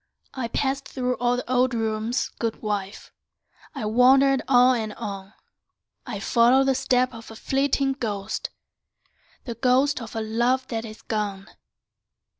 I passed through all the old rooms, good wife; I wandered on and on; I followed the steps of a flitting ghost, The ghost of a love that is gone.